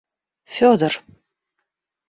Федор